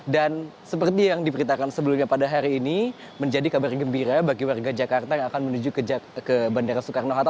dan seperti yang diberitakan sebelumnya pada hari ini menjadi kabar gembira bagi warga jakarta yang akan menuju ke bandara soekarno hatta